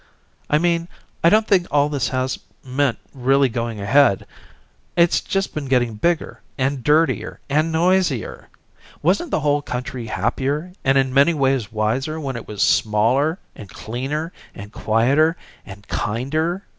I mean I don't think all this has meant really going ahead it's just been getting bigger and dirtier and noisier. Wasn't the whole country happier and in many ways wiser when it was smaller and cleaner and quieter and kinder?